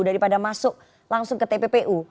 daripada masuk langsung ke tppu